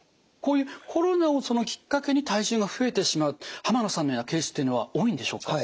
コロナをきっかけに体重が増えてしまう濱野さんのようなケースっていうのは多いんでしょうか？